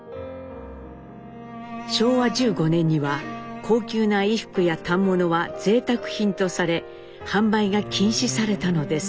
昭和１５年には高級な衣服や反物はぜいたく品とされ販売が禁止されたのです。